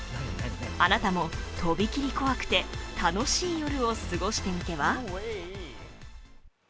あなたもとびきり怖くて楽しい夜を過ごしてみては？